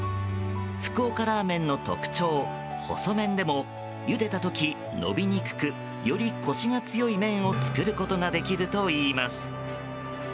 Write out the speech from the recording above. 福岡ラーメンの特徴、細麺でもゆでた時、伸びにくくよりコシが強い麺を作ることができるといいます。